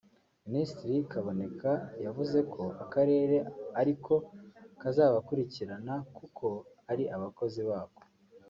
Minisitiri Kaboneka yavuze ko Akarere ariko kazabakurikirana kuko ari abakozi bako